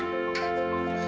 aku juga mau